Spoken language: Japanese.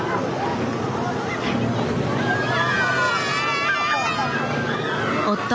うわ！